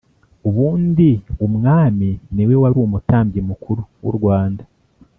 ubundi umwami niwe wari umutambyi mukuru w'u Rwanda.